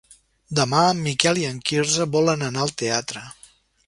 Demà en Miquel i en Quirze volen anar al teatre.